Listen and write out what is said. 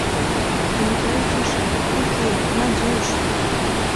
А Миклай ӱчашен: «Уке, Надюш!»